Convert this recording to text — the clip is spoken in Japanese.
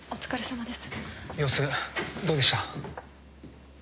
様子どうでした？